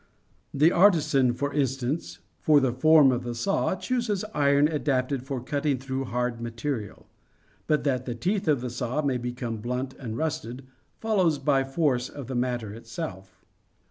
The artisan, for instance, for the form of the saw chooses iron adapted for cutting through hard material; but that the teeth of the saw may become blunt and rusted, follows by force of the matter itself.